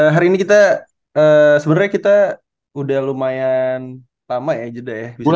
hari ini kita sebenarnya kita udah lumayan lama ya jeda ya